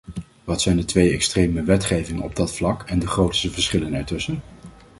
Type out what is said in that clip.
Wat zijn de twee extreme wetgevingen op dat vlak en de grootste verschillen ertussen?